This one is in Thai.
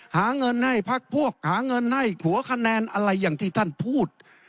หาเงินให้พักพวกหาเงินให้หัวคะแนนอะไรอย่างที่ท่านพูด